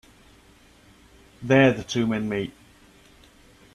There the two men meet.